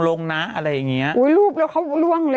รูปเจ้านี่แสดงว่าโอ๊ยรูปเจ้านี่